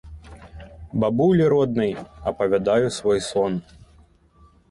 Бабулі роднай апавядаю свой сон.